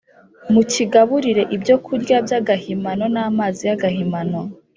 mukigaburire ibyokurya by’agahimano n’amazi y’agahimano